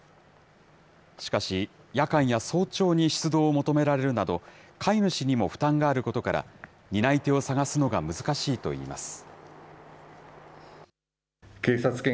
しかし、夜間や早朝に出動を求められるなど、飼い主にも負担があることから、担い手を探すのが難しいといいます。